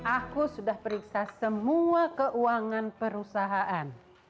aku sudah periksa semua keuangan perusahaan